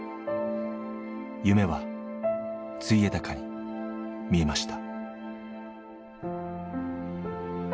夢はついえたかに見えました。